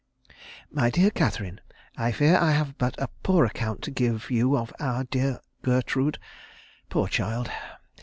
"MY DEAR CATHERINE, "I fear I have but a poor account to give you of our dear Gertrude. Poor child!